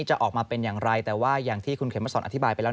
จะออกมาเป็นอย่างไรแต่ว่าอย่างที่คุณเข็มมาสอนอธิบายไปแล้ว